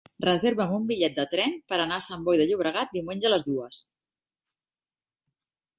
Reserva'm un bitllet de tren per anar a Sant Boi de Llobregat diumenge a les dues.